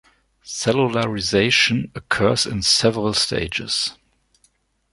Cellularization occurs in several stages.